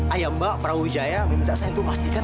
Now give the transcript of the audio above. ayah mbak prau wijaya meminta saya untuk pastikan